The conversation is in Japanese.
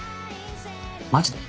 マジで？